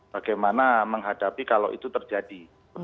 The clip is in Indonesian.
bagaimana menghadapi kalau itu terjadi